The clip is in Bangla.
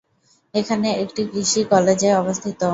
এখানে একটি কৃষি কলেজ অবস্থিত।